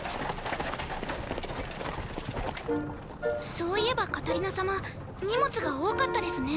そういえばカタリナ様荷物が多かったですね。